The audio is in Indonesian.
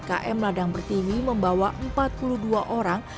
km ladang pertiwi membawa empat puluh dua orang